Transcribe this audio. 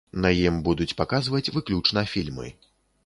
На ім будуць паказваць выключна фільмы.